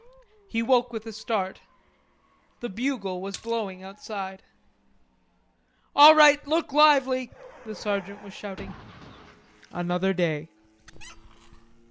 He woke with a start. The bugle was blowing outside. "All right, look lively!" the sergeant was shouting. Another day.